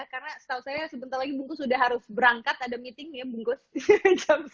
karena setahu saya sebentar lagi bungkus sudah harus berangkat ada meeting ya bungkus